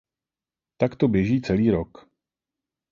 Tak to běží celý rok.